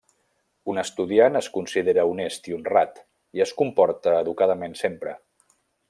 Un estudiant es considera honest i honrat i es comporta educadament sempre.